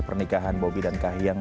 pernikahan bobby dan kahyang